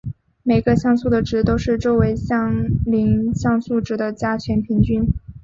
每个像素的值都是周围相邻像素值的加权平均。